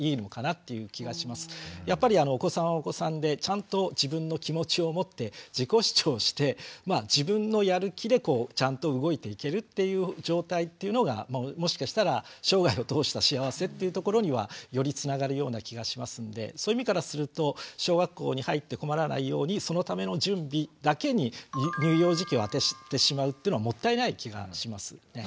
やっぱりお子さんはお子さんでちゃんと自分の気持ちを持って自己主張して自分のやる気でちゃんと動いていけるっていう状態っていうのがもしかしたら生涯を通した幸せっていうところにはよりつながるような気がしますんでそういう意味からすると小学校に入って困らないようにそのための準備だけに乳幼児期をあててしまうっていうのはもったいない気がしますよね。